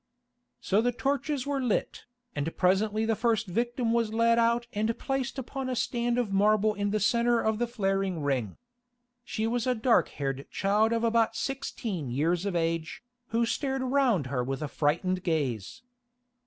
So the torches were lit, and presently the first victim was led out and placed upon a stand of marble in the centre of the flaring ring. She was a dark haired child of about sixteen years of age, who stared round her with a frightened gaze.